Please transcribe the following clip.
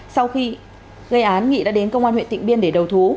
sau khi gây án nghị đã đến công an huyện tịnh biên để đầu thú